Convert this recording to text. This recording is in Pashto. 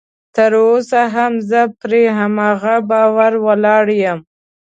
تر اوسه هم زه پر هماغه باور ولاړ یم